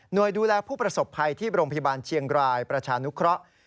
โดยดูแลผู้ประสบภัยที่โรงพยาบาลเชียงรายประชานุเคราะห์